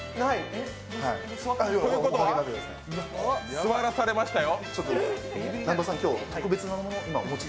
座らされましたよ。